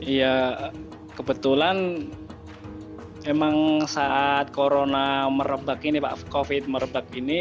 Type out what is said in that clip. ya kebetulan emang saat covid merebak ini